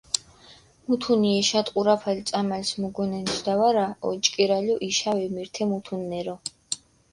მუთუნი ეშატყურაფალი წამალს მუგონენთდა ვარა, ოჭკირალო იშა ვემირთე მუთუნნერო.